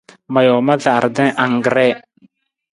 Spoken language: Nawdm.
Ma joo ma jardin anggree.